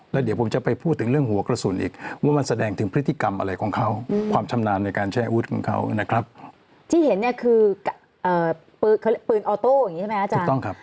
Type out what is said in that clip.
ที่เห็นคือปืนออโต้อย่างนี้ใช่ไหมอาจารย์ถูกต้องครับ